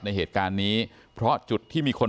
ในเหตุการณ์นี้เพราะจุดที่มีคน